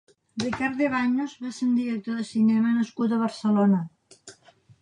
Ricard de Baños va ser un director de cinema nascut a Barcelona.